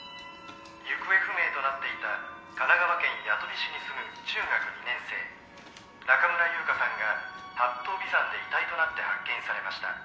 行方不明となっていた神奈川県八飛市に住む中学２年生中村優香さんが八頭尾山で遺体となって発見されました。